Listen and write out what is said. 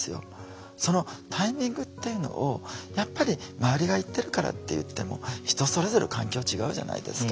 そのタイミングっていうのをやっぱり周りが言ってるからっていっても人それぞれ環境違うじゃないですか。